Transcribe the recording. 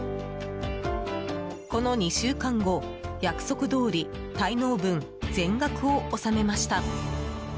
この２週間後、約束どおり滞納分全額を納めました。